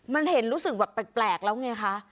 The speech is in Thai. มันเห็นรู้สึกแบบแปลกแล้วไงคะ